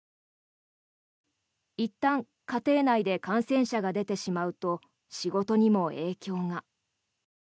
いったん家庭内で感染者が出てしまうと仕事にも影響が。